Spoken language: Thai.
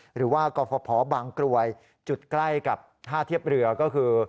หรือว่ากรฟภบางกรวยจุดใกล้กับท่าเทียบเรือก็คือ